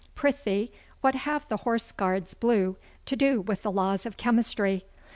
Prythee, what have the Horse Guards Blue to do with the laws of chemistry?